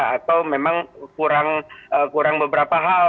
atau memang kurang beberapa hal